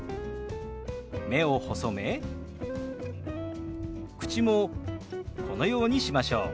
目を細め口もこのようにしましょう。